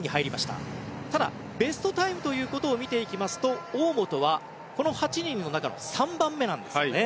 ただ、ベストタイムということを見ていきますと大本はこの８人の中の３番目なんですよね。